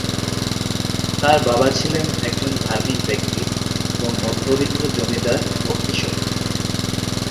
তার বাবা ছিলেন একজন ধার্মিক ব্যক্তি এবং মধ্যবিত্ত জমিদার ও কৃষক।